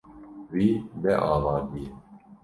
Wî neavandiye.